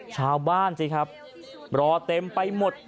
ชาวบ้านรอเต็มไปหมด